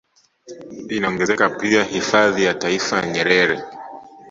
Inaongezeka pia hifadhi ya taifa ya Nyerere